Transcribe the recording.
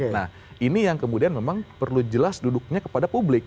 nah ini yang kemudian memang perlu jelas duduknya kepada publik